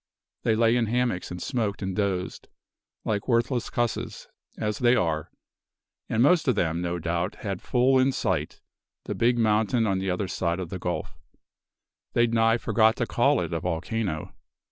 They lay in hammocks and smoked and dozed like worthless cusses, as they are; and most of 'em, no doubt, had full in sight the big mountain on t'other side the gulf. They'd nigh forgot to call it a volcano.